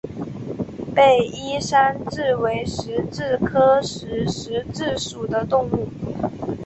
被衣山蛭为石蛭科石蛭属的动物。